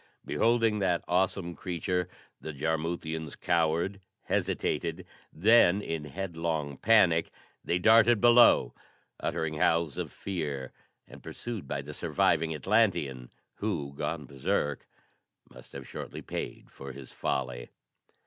Beholding that awesome creature the Jarmuthians cowered, hesitated; then in headlong panic they darted below, uttering howls of fear and pursued by the surviving Atlantean, who, gone berserk, must have shortly paid for his folly.